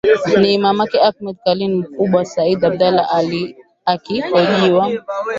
ni mamake ahmed kalian mkubwa said abdallah akihojiwa